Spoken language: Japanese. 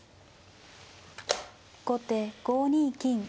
後手５二金。